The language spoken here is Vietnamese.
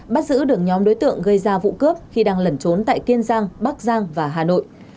bắt giữ được nhóm đối tượng gây ra vụ cướp khi đang lẩn trốn tại kiên giang bắc giang và hà nội